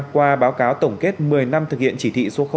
qua báo cáo tổng kết một mươi năm thực hiện chỉ thị số năm